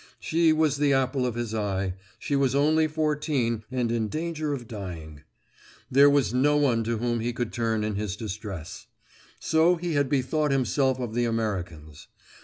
She was the apple of his eye; she was only fourteen and in danger of dying. There was no one to whom he could turn in his distress. So he had bethought himself of the Americans.